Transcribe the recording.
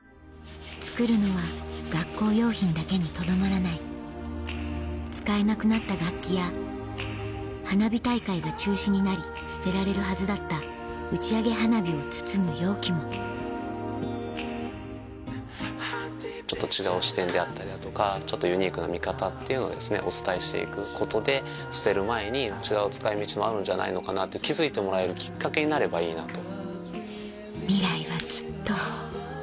作るのは学校用品だけにとどまらない使えなくなった楽器や花火大会が中止になり捨てられるはずだった打ち上げ花火を包む容器もちょっと違う視点であったりだとかユニークな見方っていうのをお伝えしていくことで捨てる前に違う使い道もあるんじゃないのかなって気付いてもらえるきっかけになればいいなと。